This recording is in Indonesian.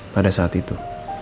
pada saat itu